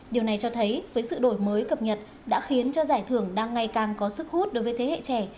điều này cho thấy với sự đổi mới cập nhật đã khiến cho giải thưởng đang ngày càng có sức hút đối với thế hệ trẻ